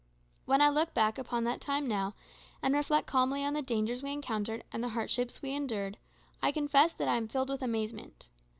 When I look back upon that time now, and reflect calmly on the dangers we encountered and the hardships we endured, I confess that I am filled with amazement.